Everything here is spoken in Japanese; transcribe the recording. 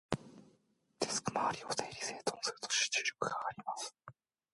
デスクの周りを整理整頓すると、集中力が高まります。